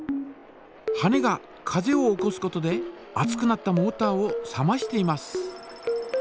羽根が風を起こすことで熱くなったモータを冷ましています。